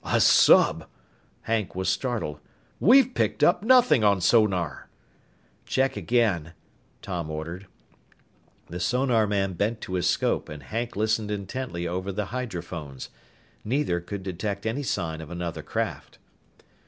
"A sub?" Hank was startled. "We've picked up nothing on sonar!" "Check again," Tom ordered. The sonarman bent to his scope and Hank listened intently over the hydrophones. Neither could detect any sign of another craft.